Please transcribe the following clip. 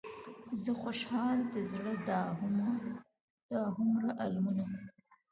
زه خوشحال د زړه دا هومره المونه.